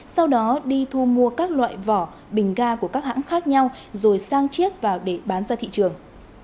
sau đó đi thu mua các loại vỏ bình ga của các hãng khác nhau rồi sang chiếc vào để bán ra thị trường